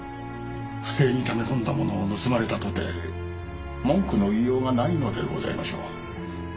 不正にため込んだ物を盗まれたとて文句の言いようがないのでございましょう。